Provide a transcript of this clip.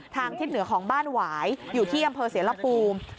ทิศเหนือของบ้านหวายอยู่ที่อำเภอเสรภูมิ